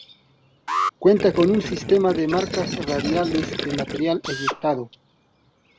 Cuenta con un sistema de marcas radiales de material eyectado.